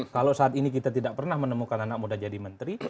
kalau saat ini kita tidak pernah menemukan anak muda jadi menteri